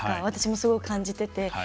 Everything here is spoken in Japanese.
私も、すごく感じてて。